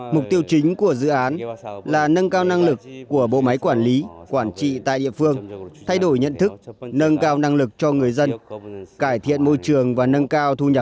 mục tiêu chính của dự án là nâng cao năng lực của bộ máy quản lý quản trị tại địa phương thay đổi nhận thức nâng cao năng lực cho người dân cải thiện môi trường và nâng cao thu nhập